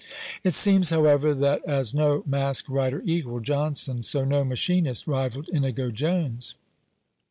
It seems, however, that as no Masque writer equalled Jonson, so no machinist rivalled Inigo Jones.